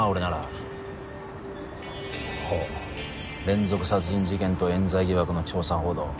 連続殺人事件とえん罪疑惑の調査報道。